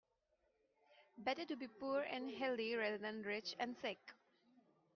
Better to be poor and healthy rather than rich and sick.